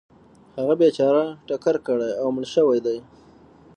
هغه بیچاره ټکر کړی او مړ شوی دی .